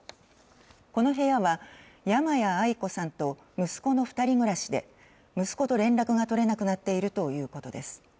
この部屋は山屋愛子さんと息子の２人暮らしで息子と連絡が取れなくなっているということです。